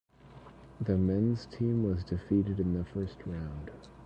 The men's team was defeated in the first round.